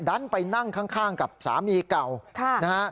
ดันไปนั่งข้างกับสามีเก่านะฮะ